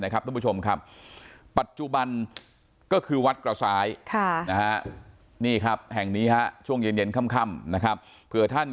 ปัจจุบันก็คือวัดเกราะสายแห่งนี้ช่วงเย็นค่ำ